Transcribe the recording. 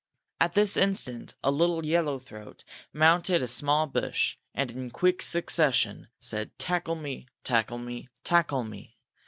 At this instant a little yellow throat mounted a small bush and, in quick succession, said: _Tackle me! tackle me! tackle me!